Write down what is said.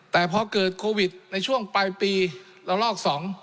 แต่พอเกิดโควิดในช่วงปลายปีละลอก๒